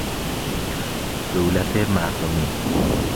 دولت مردمی